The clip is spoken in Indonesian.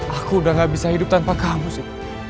aku udah gak bisa hidup tanpa kamu sih